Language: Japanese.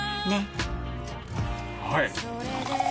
はい！